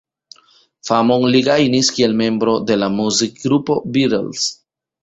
Famon li gajnis kiel membro de la muzikgrupo Beatles.